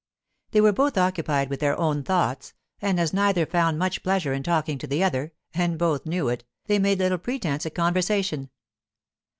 They were both occupied with their own thoughts, and as neither found much pleasure in talking to the other, and both knew it, they made little pretence at conversation.